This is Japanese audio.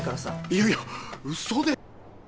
いやいやうそで。